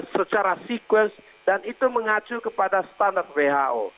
secara seques dan itu mengacu kepada standar who